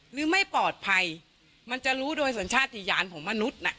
หรือไม่ปลอดภัยมันจะรู้โดยสัญชาติยานของมนุษย์น่ะ